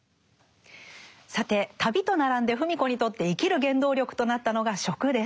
さて旅と並んで芙美子にとって生きる原動力となったのが食です。